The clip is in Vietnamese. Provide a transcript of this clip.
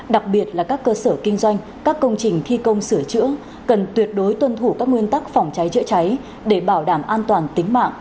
đặc biệt là các cơ sở kinh doanh các công trình thi công sửa chữa cần tuyệt đối tuân thủ các nguyên tắc phòng cháy chữa cháy để bảo đảm an toàn tính mạng cho chính mình và mọi người